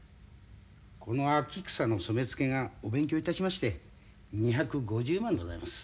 この秋草の染め付けがお勉強いたしまして２５０万でございます。